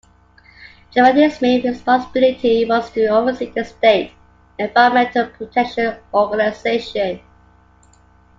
Javadi's main responsibility was to oversee the state Environmental Protection Organization.